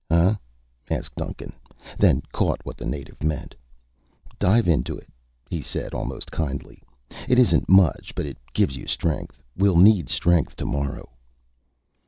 "Huh?" asked Duncan, then caught what the native meant. "Dive into it," he said, almost kindly. "It isn't much, but it gives you strength. We'll need strength tomorrow."